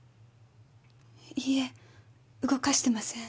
いいえ動かしてません。